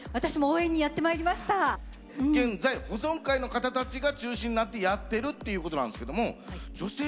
現在保存会の方たちが中心になってやってるっていうことなんですけども女性はえ